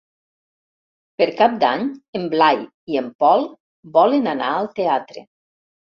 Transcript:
Per Cap d'Any en Blai i en Pol volen anar al teatre.